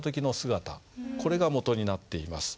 これがもとになっています。